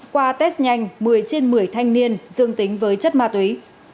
qua test nhanh một mươi trên một mươi thanh niên dương tính với chất ma túy